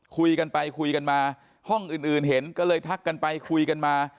คุยกันไปคุยกันมาห้องอื่นเห็นก็เลยทักกันไปคุยกันมา